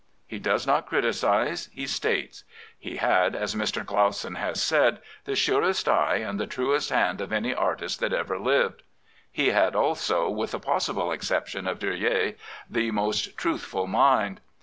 He does not criticise: he states. He had, as Mr. Clausen has said, " the surest eye and the truest hand of any artist that ever lived.^' He had also, with the possible exception of Durer, the most truthful mind.